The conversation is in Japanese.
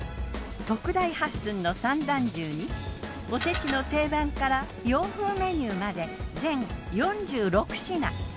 特大８寸の３段重におせちの定番から洋風メニューまで全４６品。